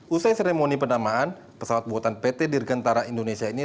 usai seremoni penamaan pesawat buatan pt dirgentara indonesia ini